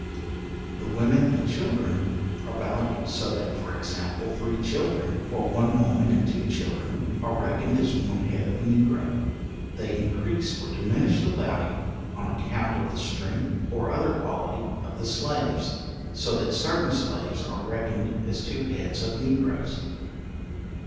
The women and children are valued, so that, for example, three children, or one woman and two children are reckoned as one head of negro. They increase or diminish the value on account of the strength or other quality of the slaves, so that certain slaves are reckoned as two heads of negroes.